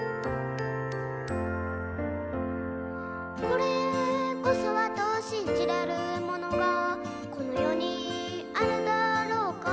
「これこそはと信じれるものが」「この世にあるだろうか」